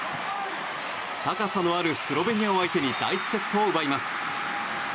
高さのあるスロベニアを相手に第１セットを奪います。